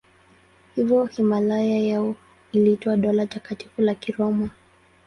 Hivyo himaya yao iliitwa Dola Takatifu la Kiroma.